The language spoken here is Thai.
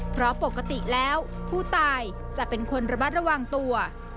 เพราะปกติแล้วผู้ตายจะเป็นคนระมัดระวังตัว